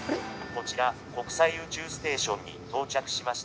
「こちら国際宇宙ステーションに到着しました」。